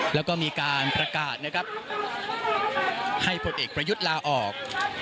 แล้วก็มีการประกาศนะครับให้ผลเอกประยุทธ์ลาออก